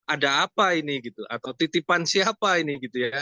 ada apa ini gitu atau titipan siapa ini gitu ya